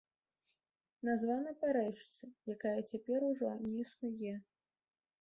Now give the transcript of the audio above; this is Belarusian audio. Названа па рэчцы, якая цяпер ужо не існуе.